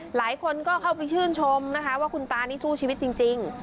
หลายคนก็เข้าไปชื่นชมนะคะว่าคุณตานี่สู้ชีวิตจริง